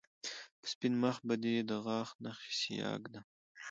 په سپين مخ به دې د غاښ نښې سياه ږدم